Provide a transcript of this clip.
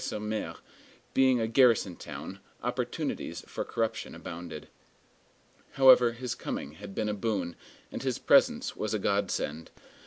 sur M., being a garrison town, opportunities for corruption abounded. However, his coming had been a boon, and his presence was a godsend.